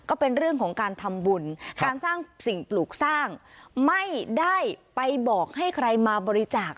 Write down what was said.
ก็เป็นเรื่องของการทำบุญการสร้างสิ่งปลูกสร้างไม่ได้ไปบอกให้ใครมาบริจาค